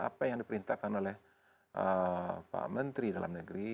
apa yang diperintahkan oleh pak menteri dalam negeri